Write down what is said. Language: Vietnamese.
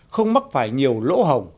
không mắc phải nhiều lỗ hồng